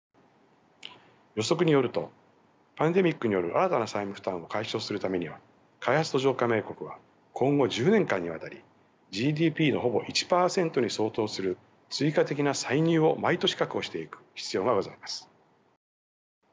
予測によるとパンデミックによる新たな債務負担を解消するためには開発途上加盟国は今後１０年間にわたりＧＤＰのほぼ１％に相当する追加的な歳入を毎年確保していく必要がございます。